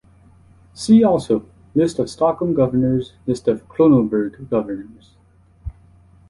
"See also: List of Stockholm Governors, List of Kronoberg Governors"